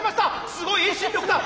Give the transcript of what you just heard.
すごい遠心力だ！